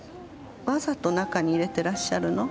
わざと中に入れてらっしゃるの？